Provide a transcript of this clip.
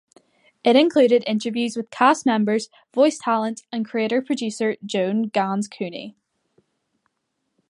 It included interviews with cast members, voice talent, and creator-producer Joan Ganz Cooney.